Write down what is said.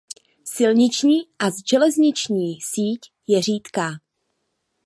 Silniční a železniční síť je řídká.